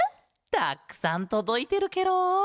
たっくさんとどいてるケロ。